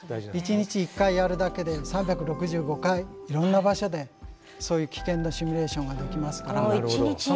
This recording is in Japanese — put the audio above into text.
１日１回やるだけで３６５回いろんな場所でそういう危険なシミュレーションができますからその時に。